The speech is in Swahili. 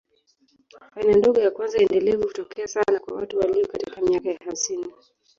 Aina ndogo ya kwanza endelevu hutokea sana kwa watu walio katika miaka ya hamsini.